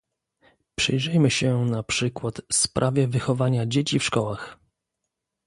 Przyjrzyjmy się, na przykład, sprawie wychowania dzieci w szkołach